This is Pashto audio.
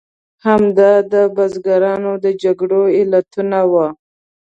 همدا د بزګرانو د جګړو علتونه وو.